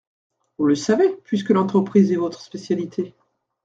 Vous le savez, puisque l’entreprise est votre spécialité.